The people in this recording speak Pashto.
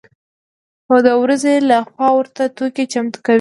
و د ورځې له خوا ورته توکي چمتو کوي.